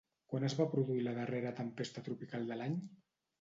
Quan es va produir la darrera tempesta tropical de l'any?